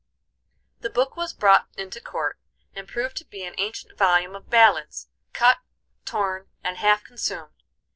The book was brought into court, and proved to be an ancient volume of ballads, cut, torn, and half consumed.